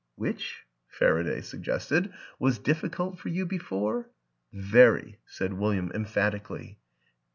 " Which," Faraday suggested, " was difficult for you before? "" Very," said William emphatically.